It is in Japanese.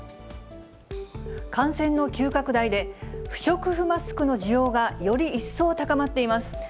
感染の急拡大で、不織布マスクの需要がより一層高まっています。